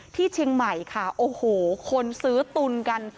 ที่เชียงใหม่ค่ะโอ้โหคนซื้อตุนกัน